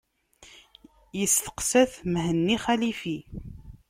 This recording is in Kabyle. Yesteqsa-t Mhenni Xalifi.